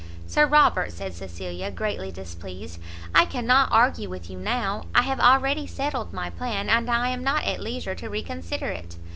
"Sir Robert," said Cecilia, greatly displeased, "I cannot argue with you now; I have already settled my plan, and I am not at leisure to re consider it."